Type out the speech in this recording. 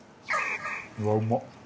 うわうまっ！